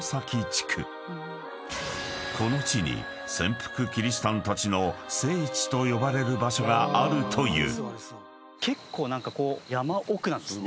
［この地に潜伏キリシタンたちの聖地と呼ばれる場所があるという］